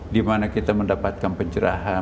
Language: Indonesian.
dimana kita mendapatkan pencerahan